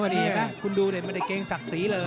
ไม่รู้ไหมคุณดูไม่ได้เก่งศักดีสีเลย